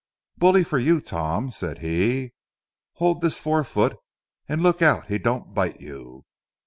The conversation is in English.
"Bully for you, Tom," said he. "Here, hold this fore foot, and look out he don't bite you.